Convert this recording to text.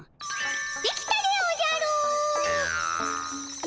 出来たでおじゃる！